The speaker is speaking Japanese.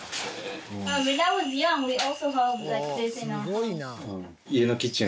すごいな。